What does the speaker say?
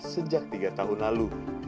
sejak tiga tahun lalu